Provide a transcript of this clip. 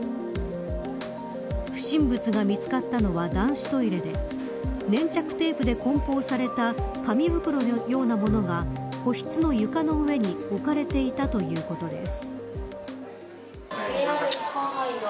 不審物が見つかったのは男子トイレで粘着テープで梱包された紙袋のような物が個室の床の上に置かれていたということです。